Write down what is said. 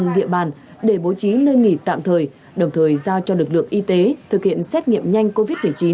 địa bàn để bố trí nơi nghỉ tạm thời đồng thời giao cho lực lượng y tế thực hiện xét nghiệm nhanh covid một mươi chín